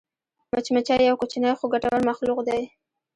مچمچۍ یو کوچنی خو ګټور مخلوق دی